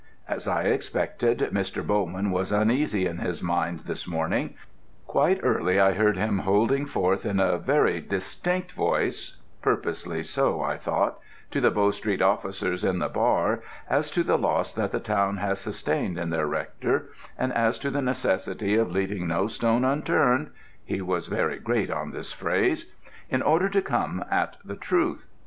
As I expected, Mr. Bowman was uneasy in his mind this morning; quite early I heard him holding forth in a very distinct voice purposely so, I thought to the Bow Street officers in the bar, as to the loss that the town had sustained in their Rector, and as to the necessity of leaving no stone unturned (he was very great on this phrase) in order to come at the truth.